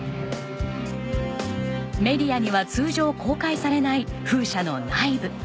メディアには通常公開されない風車の内部。